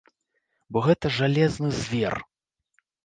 Бо гэта жалезны звер!